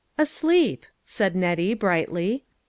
" "Asleep," said Nettie, brightly.